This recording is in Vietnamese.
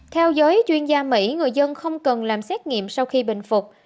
theo giới chuyên gia mỹ người dân không cần làm xét nghiệm sau khi bình phục